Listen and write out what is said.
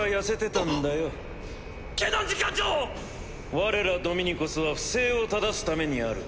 我らドミニコスは不正をただすためにある。